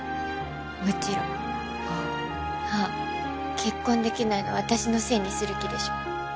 もちろんあっ結婚できないの私のせいにする気でしょ？